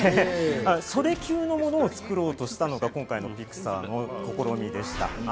それ級のものを作ろうとしたのが今回のピクサーの試みです。